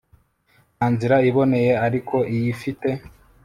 Nta nzira iboneye ariko iyifite